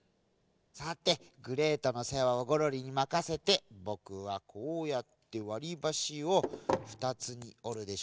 さてグレートのせわをゴロリにまかせてぼくはこうやってわりばしを２つにおるでしょ。